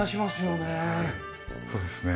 そうですね。